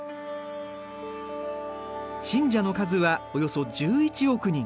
信者の数はおよそ１１億人。